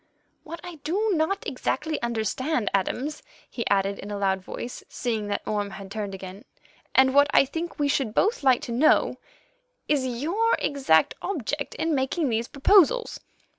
"What I do not exactly understand, Adams," he added in a loud voice, seeing that Orme had turned again, "and what I think we should both like to know, is your exact object in making these proposals."